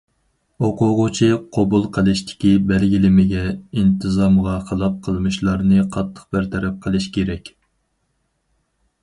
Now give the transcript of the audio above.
ئوقۇغۇچى قوبۇل قىلىشتىكى بەلگىلىمىگە، ئىنتىزامغا خىلاپ قىلمىشلارنى قاتتىق بىر تەرەپ قىلىش كېرەك.